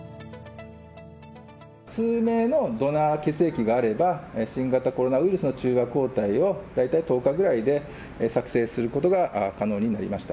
数名のドナー血液があれば、新型コロナウイルスの中和抗体を、大体１０日ぐらいで作製することが可能になりました。